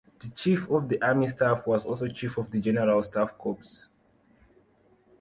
The Chief of the Army Staff was also Chief of the General Staff Corps.